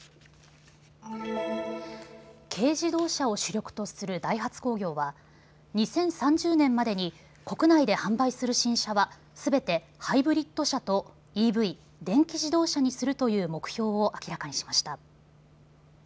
軽自動車を主力とするダイハツ工業は２０３０年までに国内で販売する新車はすべてハイブリッド車とＥＶ・電気自動車にするという目標を明らかにしました。